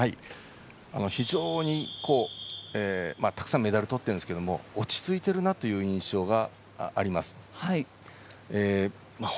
非常にたくさんメダルをとっているんですけれども落ち着いているなという印象があります。